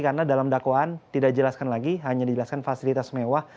karena dalam dakwaan tidak dijelaskan lagi hanya dijelaskan fasilitas mewah